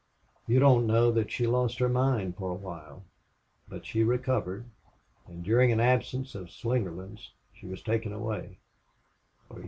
You don't know that she lost her mind for a while. But she recovered.... And during an absence of Slingerland's she was taken away."